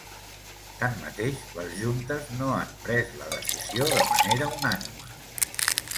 Tanmateix, les juntes no han pres la decisió de manera unànime.